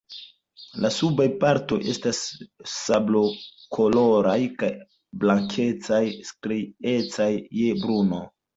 La subaj partoj estas sablokoloraj al blankecaj, striecaj je bruno.